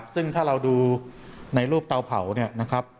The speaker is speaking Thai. ซึ่งถ้าเราดูในรูปเตาเผาเนี่ยนะครับ